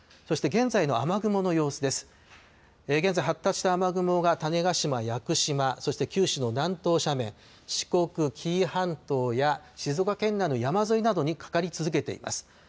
現在、発達した雨雲が種子島・屋久島、そして九州の南東斜面、四国、紀伊半島や静岡県など山沿いなどにかかり続けています。